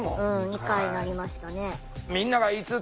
２回なりましたね。